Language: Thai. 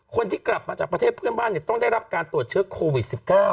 คนที่กลับมาจากประเทศเพื่อนบ้านต้องได้รับการตรวจเชื้อโควิด๑๙